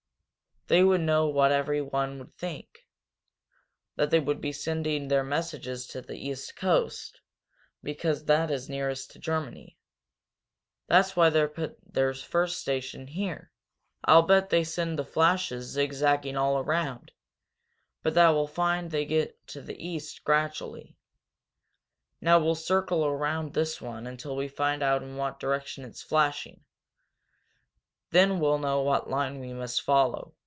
They would know what everyone would think that they would be sending their messages to the East coast, because that is nearest to Germany. That's why they put their first station here. I'll bet they send the flashes zig zagging all around, but that we'll find they all get east gradually. Now we'll circle around this one until we find out in what direction it is flashing, then we'll know what line we must follow.